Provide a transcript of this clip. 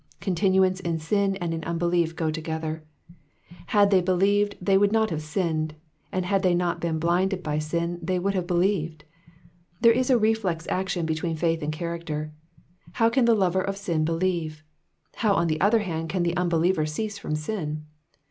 Continuance m sin and m unbelief go together. Had they believed they would not have sinned, hud they not have been blinded by siE they woiilil have believed. There is a reflex action between faith and character. How can the lover of sin believe ? How, on the other hand, can the unbeliever cease from sin